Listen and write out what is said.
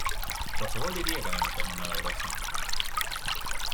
Qualsevol diria que anem a fer-ne una de grossa!